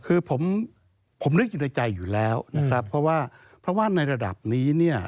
คือผมผมนึกอยู่ในใจอยู่แล้วนะครับเพราะว่าเพราะว่าในระดับนี้เนี่ย